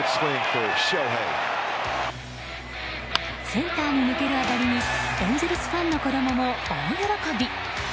センターに抜ける当たりにエンゼルスファンの子供も大喜び。